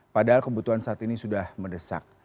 padahal kebutuhan saat ini sudah mendesak